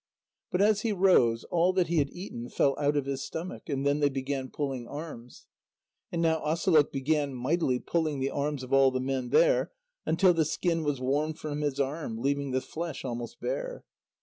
But as he rose, all that he had eaten fell out of his stomach. And then they began pulling arms. And now Asalôq began mightily pulling the arms of all the men there, until the skin was worn from his arm, leaving the flesh almost bare.